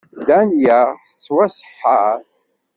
Dania tettwaseḥḥer.